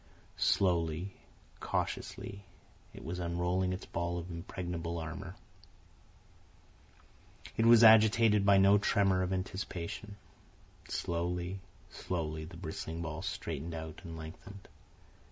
Slowly, cautiously, it was unrolling its ball of impregnable armour. It was agitated by no tremor of anticipation. Slowly, slowly, the bristling ball straightened out and lengthened.